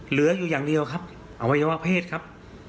เหลืออยู่อย่างเดียวครับอวัยวะเพศครับ